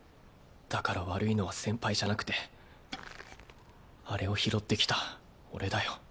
だから悪いのは先輩じゃなくてあれを拾ってきた俺だよ。